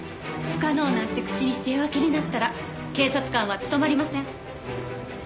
不可能なんて口にして弱気になったら警察官は務まりません。